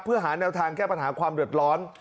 เพื่อหาแนวทางแก้ปัญหาความเดือดร้อน